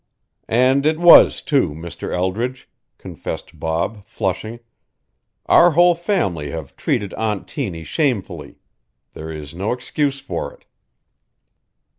"And it was, too, Mr. Eldridge," confessed Bob, flushing. "Our whole family have treated Aunt Tiny shamefully. There is no excuse for it."